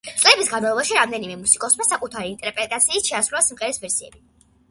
წლების განმავლობაში რამდენიმე მუსიკოსმა საკუთარი ინტერპრეტაციით შეასრულა სიმღერის ვერსიები.